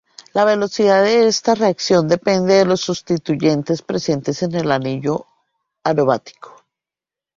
La velocidad de esta reacción depende de los sustituyentes presentes en el anillo aromático.